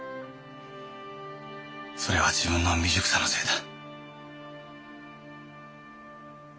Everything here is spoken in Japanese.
それは自分の未熟さのせいだ。